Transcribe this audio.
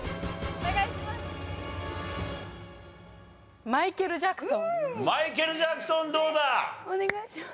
お願いします！